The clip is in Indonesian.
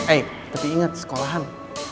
eh tapi inget sekolahan